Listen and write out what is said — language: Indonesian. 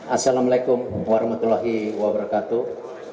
assalamu'alaikum warahmatullahi wabarakatuh